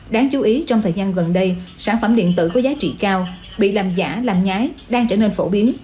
đáng chú ý trong thời gian gần đây sản phẩm điện tử có giá trị cao bị làm giả làm nhái đang trở nên phổ biến